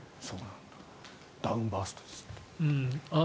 ダウンバーストです。